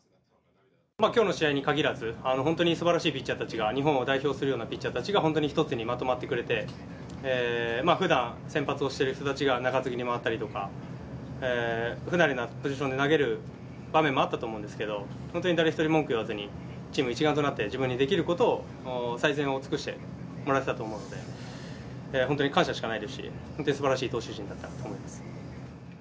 きょうの試合に限らず、本当にすばらしいピッチャーたちが、日本を代表するようなピッチャーたちが本当に一つにまとまってくれて、ふだん、先発をしている人たちが中継ぎに回ったりとか、不慣れなポジションで投げる場面もあったと思うんですけど、本当に誰一人文句言わずに、チーム一丸となって自分にできることを最善を尽くしてもらってたと思うので、本当に感謝しかないですし、本当にすばらしい投手陣だったと思います。